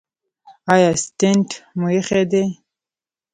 ایا سټنټ مو ایښی دی؟